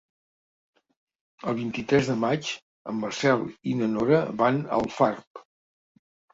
El vint-i-tres de maig en Marcel i na Nora van a Alfarb.